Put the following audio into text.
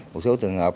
một số trường hợp